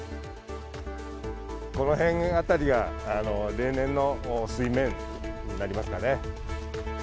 この辺あたりが例年の水面になりますかね。